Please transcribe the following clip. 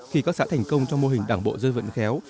khi các xã thành công trong mô hình đảng bộ dân vận khéo